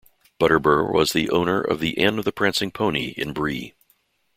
Butterbur was the owner of the Inn of the Prancing Pony in Bree.